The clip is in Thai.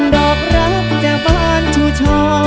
ดอกรักจากบ้านชูชอ